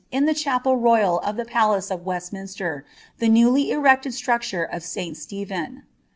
in the chapel royal of palace of Westminster, the newly erected structure of St. Stephen.